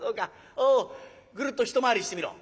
おおぐるっと一回りしてみろ。